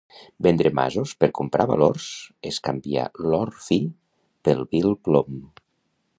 Vendre masos per comprar valors és canviar l'or fi pel vil plom.